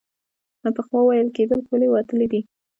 پخوا ویل کېدل پولې باطلې دي.